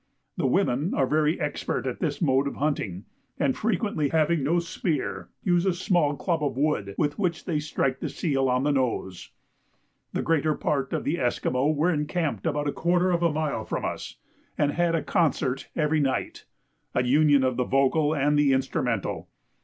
The women are very expert at this mode of hunting, and frequently having no spear, use a small club of wood with which they strike the seal on the nose. The greater part of the Esquimaux were encamped about a quarter of a mile from us, and had a concert every night, a union of the vocal and the instrumental.